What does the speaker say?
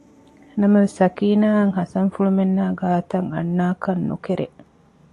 ނަމަވެސް ސަކީނާއަށް ހަސަންފުޅުމެންނާއި ގާތަށް އަންނާކަށް ނުކެރޭ